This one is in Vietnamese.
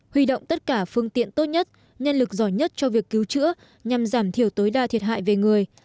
huy động tất cả phương tiện tốt nhất nhân lực giỏi nhất cho việc cứu chữa nhằm giảm thiểu tối đa thiệt hại về người